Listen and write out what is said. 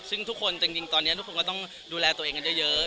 ซึ่งทุกคนจริงตอนนี้ทุกคนก็ต้องดูแลตัวเองกันเยอะ